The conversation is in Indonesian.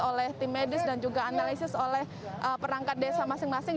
oleh tim medis dan juga analisis oleh perangkat desa masing masing